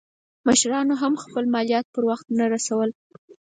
مشرانو هم خپل مالیات پر وخت نه رسول.